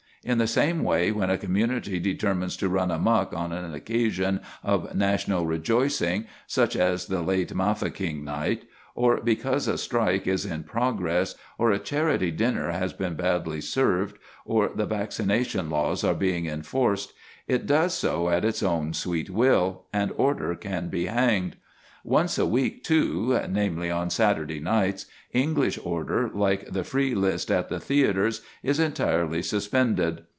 In the same way, when a community determines to run amuck on an occasion of "national rejoicing" (such as the late Mafeking night), or because a strike is in progress, or a charity dinner has been badly served, or the vaccination laws are being enforced, it does so at its own sweet will, and order can be hanged. Once a week, too, namely, on Saturday nights, English order, like the free list at the theatres, is entirely suspended.